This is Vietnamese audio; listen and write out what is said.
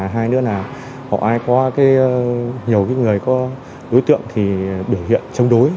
hai nữa là họ ai có nhiều người có đối tượng thì biểu hiện chống đối